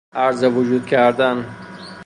عرض وجود کردن